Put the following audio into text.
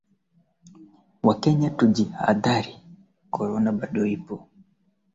uliogawanyika katika himaya nane Himaya hizo ni pamoja na